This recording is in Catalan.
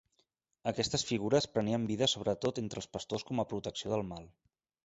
Aquestes figures prenien vida sobretot entre els pastors com a protecció del mal.